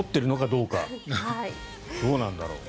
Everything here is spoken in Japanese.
どうなんだろう。